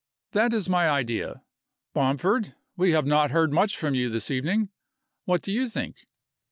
That is my idea, Bomford. We have not heard much from you this evening. What do you think?"